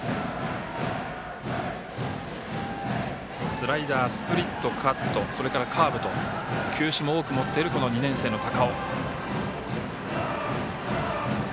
スライダー、スプリットカット、それからカーブと球種も多く持っている２年生の高尾。